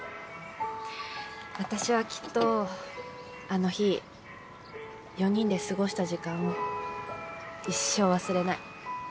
私はきっとあの日４人で過ごした時間を一生忘れない。